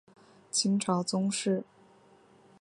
清朝宗室。